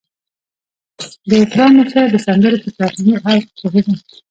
د اوپرا مشر د سندرو پر تخنيکي اړخ پوهېده.